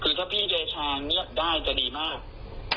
คือถ้าพี่เดชาเงียบได้จะดีมาก